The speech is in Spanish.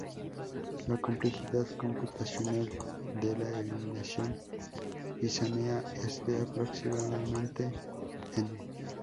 La complejidad computacional de la eliminación gaussiana es de aproximadamente "n".